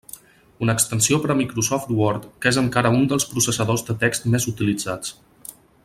Una extensió per a Microsoft Word, que és encara un dels processadors de text més utilitzats.